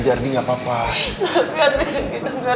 terima kasih ya bapak bapak terima kasih sama sama